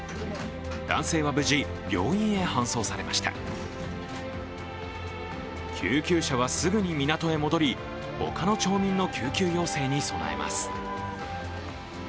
男性は無事、病院へ搬送されました救急車はすぐに港へ戻り、ほかの町民の救急要請に備えます。